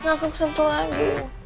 enggak aku kesentuh lagi